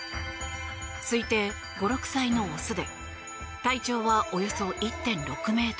推定５６歳のオスで体長はおよそ１．６ｍ。